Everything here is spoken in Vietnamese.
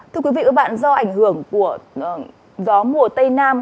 thưa quý vị do ảnh hưởng của gió mùa tây nam